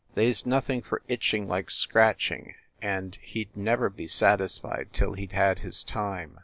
They s nothing for itching like scratching, and he d never be satis fied till he d had his time.